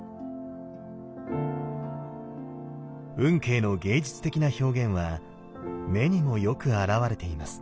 運慶の芸術的な表現は目にもよく表れています。